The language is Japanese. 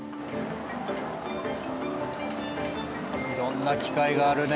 色んな機械があるね。